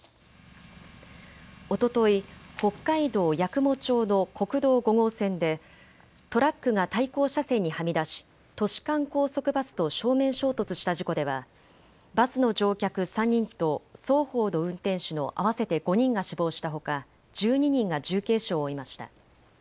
おととい北海道八雲町の国道５号線でトラックが対向車線にはみ出し都市間高速バスと正面衝突した事故ではバスの乗客３人と双方の運転手の合わせて５人が死亡したほか１２人が重軽傷を負いました。